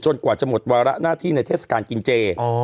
กว่าจะหมดวาระหน้าที่ในเทศกาลกินเจ